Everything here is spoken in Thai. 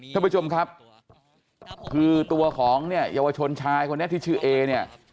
คุณผู้ชมครับคือตัวของยาวชนชายคนนี้ที่ชื่อเอเนี่ย